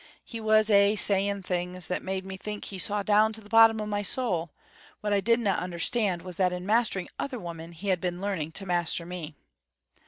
He was aye saying things that made me think he saw down to the bottom o' my soul; what I didna understand was that in mastering other women he had been learning to master me.